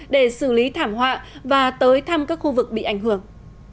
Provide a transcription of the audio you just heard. để xử lý thảm họa và tới thăm các khu vực bị ảnh hưởng